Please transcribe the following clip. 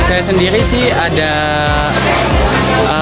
saya sendiri sih ada